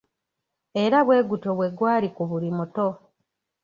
Era bwe gutyo bwe gwali ku buli muto.